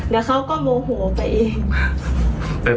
เดี๋ยวเขาก็โมโหไปเอง